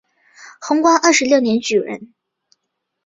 洪武二十六年举人。